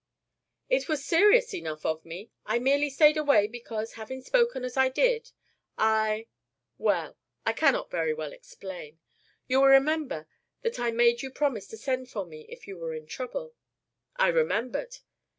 "It was serious enough to me. I merely stayed away, because, having spoken as I did, I well, I cannot very well explain. You will remember that I made you promise to send for me if you were in trouble " "I remembered!"